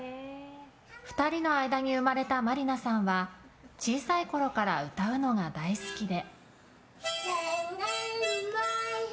２人の間に生まれた真里奈さんは小さいころから歌うのが大好きで。